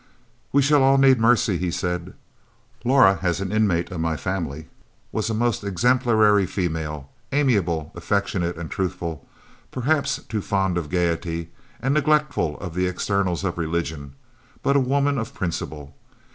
"We shall all need mercy," he said. "Laura as an inmate of my family was a most exemplary female, amiable, affectionate and truthful, perhaps too fond of gaiety, and neglectful of the externals of religion, but a woman of principle.